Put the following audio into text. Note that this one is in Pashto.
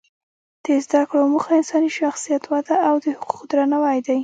د زده کړو موخه انساني شخصیت وده او د حقوقو درناوی دی.